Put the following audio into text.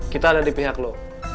kita ada di pihak lo